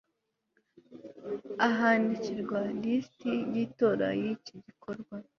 ahandikirwa lisiti y itora y iki gikorwa